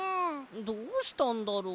どうしたんだろう？